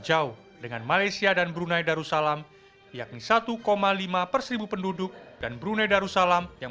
jauh dengan malaysia dan brunei darussalam yakni satu lima perseribu penduduk dan brunei darussalam yang